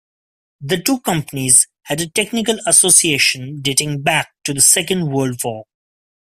The two companies had a technical association dating back to the Second World War.